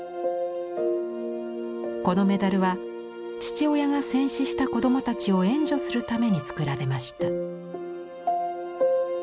このメダルは父親が戦死した子供たちを援助するために作られました。